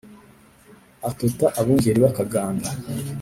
atota abungeri b' akaganda